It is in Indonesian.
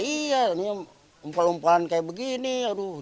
ya iya ini umpalan umpalan kayak begitu